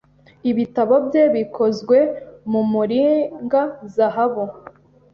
Ibitabo bye bikozwe mu muringazahabu